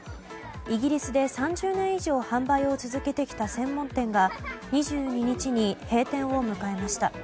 イギリスで３０年以上販売を続けてきた専門店が２２日に閉店を迎えました。